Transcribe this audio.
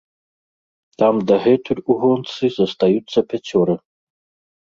Там дагэтуль у гонцы застаюцца пяцёра.